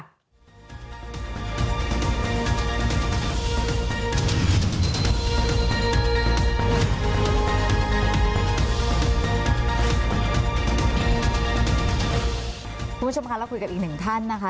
คุณผู้ชมค่ะเราคุยกับอีกหนึ่งท่านนะคะ